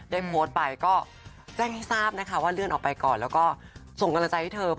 ได้โพสต์ไปก็แจ้งให้ทราบนะคะว่าเลื่อนออกไปก่อนแล้วก็ส่งกำลังใจให้เธอ